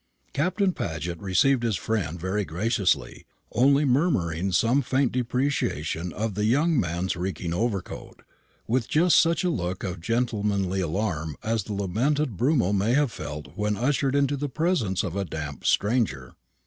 Captain Paget received his friend very graciously, only murmuring some faint deprecation of the young man's reeking overcoat, with just such a look of gentlemanly alarm as the lamented Brummel may have felt when ushered into the presence of a "damp stranger."